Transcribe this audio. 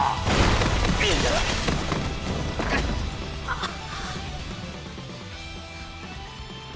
あっ。